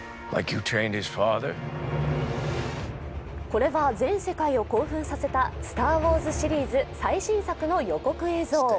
これは全世界を興奮させた「スター・ウォーズ」シリーズ、最新作の予告映像。